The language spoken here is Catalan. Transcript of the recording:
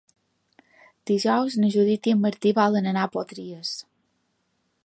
Dijous na Judit i en Martí volen anar a Potries.